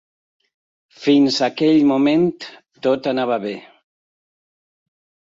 Fins aquell moment tot anava bé.